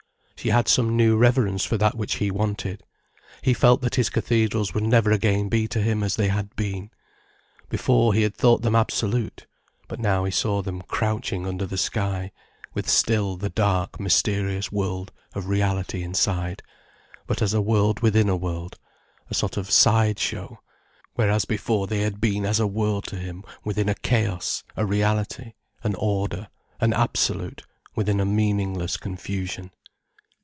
She had some new reverence for that which he wanted, he felt that his cathedrals would never again be to him as they had been. Before, he had thought them absolute. But now he saw them crouching under the sky, with still the dark, mysterious world of reality inside, but as a world within a world, a sort of side show, whereas before they had been as a world to him within a chaos: a reality, an order, an absolute, within a meaningless confusion.